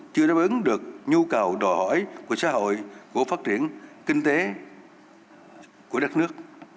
chưa đáp ứng được nhu cầu đòi hỏi của xã hội của phát triển kinh tế của đất nước